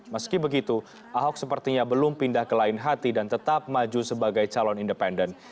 meski begitu ahok sepertinya belum pindah ke lain hati dan tetap maju sebagai calon independen